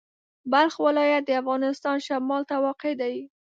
بلخ ولایت د افغانستان شمال ته واقع دی.